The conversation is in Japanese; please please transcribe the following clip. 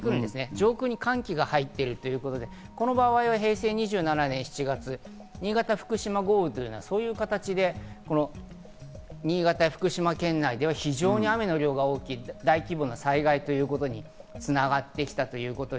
上空に寒気が入っているということで、この場合は平成２３年７月新潟・福島豪雨という形で新潟・福島県内で非常に雨の量が多くなって大規模な災害につながりました。